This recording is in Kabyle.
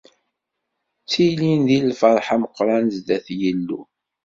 Ttilin di lferḥ ameqqran sdat Yillu.